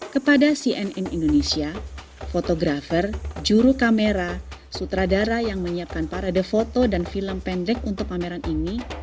kepada cnn indonesia fotografer juru kamera sutradara yang menyiapkan parade foto dan film pendek untuk pameran ini